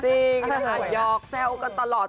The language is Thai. จริงยอกแซวกันตลอด